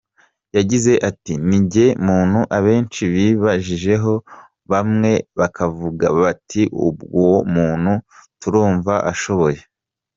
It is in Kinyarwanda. Yagize ati “Ni njye muntu abenshi bibajijeho, bamwe bakavuga bati ‘uwo muntu turumva ashoboye’.